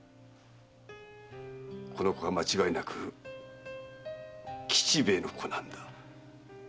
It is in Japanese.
この子は間違いなく吉兵衛の子なんだ。